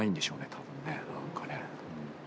多分ね何かね。